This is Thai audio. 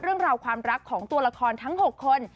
เรื่องราวความรักของตัวละครทั้ง๖คน